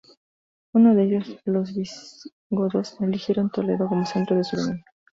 Uno de ellos, los visigodos, eligieron Toledo como centro de su dominio.